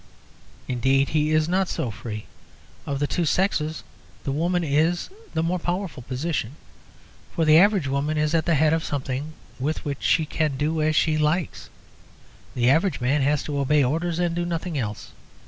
Indeed, he is not so free. Of the two sexes the woman is in the more powerful position. For the average woman is at the head of something with which she can do as she likes; the average man has to obey orders and do nothing else.